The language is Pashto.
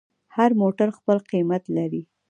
هر موټر خپل قیمت لري.